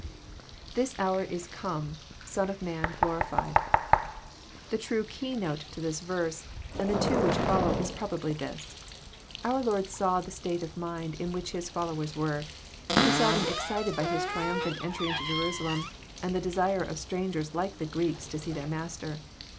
[ The hour is come,.. Son of man... glorified.'] The true key note to this verse, and the two which follow, is probably this. Our Lord saw the state of mind injivhich His followers were. He saw them excited by His triumphant entry into Jerusalem, and the desire of strangers like the'Greeks to see their Master.